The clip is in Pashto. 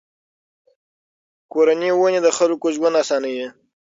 کورني ونې د خلکو ژوند آسانوي.